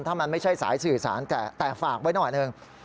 ถ้ามันไม่ใช่สายสื่อสารแก่แต่ฝากไว้หน่อยหนึ่ง